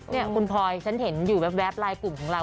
นี่คุณพลอยฉันเห็นอยู่แวบลายกลุ่มของเรา